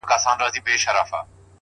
زما پر مخ بــانــدي د اوښــــــكــــــو-